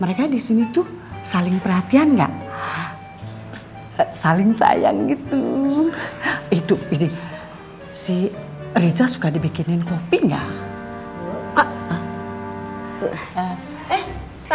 mereka disini tuh saling perhatian nggak saling sayang gitu itu ini si riza suka dibikinin kopi nggak